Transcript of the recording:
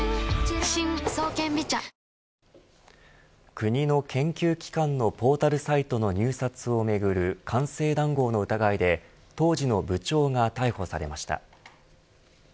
国の研究機関のポータルサイトの入札をめぐる官製談合の疑いで当時の部長が逮捕されました。